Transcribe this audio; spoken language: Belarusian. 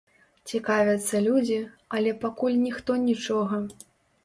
Цікавяцца людзі, але пакуль ніхто нічога.